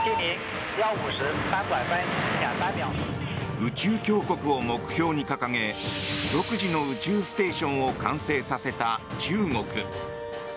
宇宙強国を目標に掲げ独自の宇宙ステーションを完成させた中国。